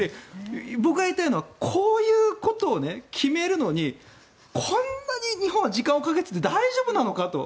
僕が言いたいのはこういうことを決めるのにこんなに日本は時間をかけていて大丈夫なのかと。